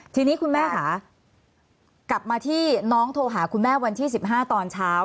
ทีนี้คุณแม่ค่ะกลับมาที่น้องโทรหาคุณแม่วันที่๑๕ตอนเช้า